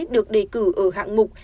được đề cử ở hạng mục